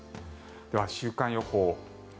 では、週間予報。